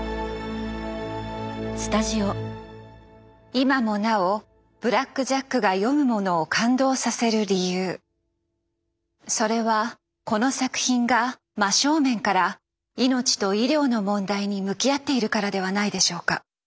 今もなお「ブラック・ジャック」が読む者を感動させる理由それはこの作品が真正面から「いのちと医療」の問題に向き合っているからではないでしょうか。